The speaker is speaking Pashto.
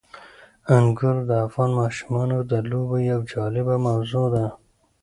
انګور د افغان ماشومانو د لوبو یوه جالبه موضوع ده.